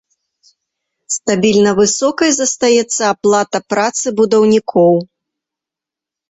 Стабільна высокай застаецца аплата працы будаўнікоў.